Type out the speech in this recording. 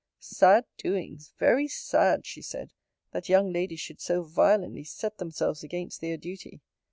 Sad doings! very sad! she said, that young ladies should so violently set themselves against their duty.